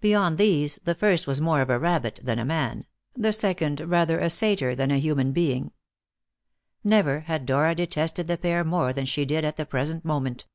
Beyond these, the first was more of a rabbit than, a man; the second rather a satyr than a human being. Never had Dora detested the pair more than she did at the present moment.